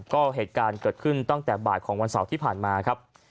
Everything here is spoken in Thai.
ก็เหตุการณ์เกิดขึ้นตั้งแต่บ่ายของวันเสาร์ที่ผ่านมาครับ